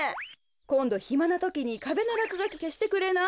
こんどひまなときにかべのらくがきけしてくれない？